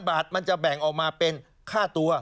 บาทมันจะแบ่งออกมาเป็นค่าตัว